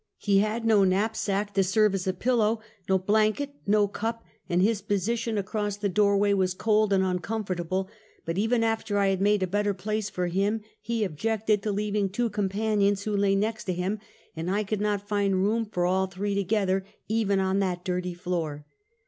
He had no knapsack to serve as a pillow, no blanket, no cup, and his position across the door way was cold and uncomfortable; but even after I had made a better place for him, he objected to leav ing two companions, who lay next to him, and I could not find room for all three together, even on that dirty floor.